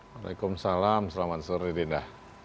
waalaikumsalam selamat sore rinda